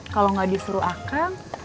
kalo gak disuruh akang